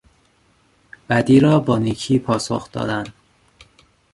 بدی را با نیکی پاسخ دادن